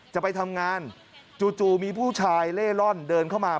จะไปทำงานจู่มีผู้ชายเล่ร่อนเดินเข้ามา